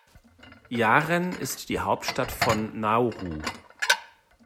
Yaren ist die Hauptstadt von Nauru.